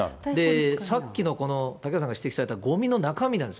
さっきのこの嵩原さんが指摘されたごみの中身なんです。